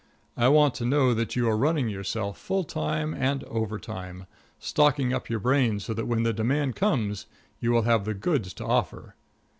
I want to know that you are running yourself full time and overtime, stocking up your brain so that when the demand comes you will have the goods to offer.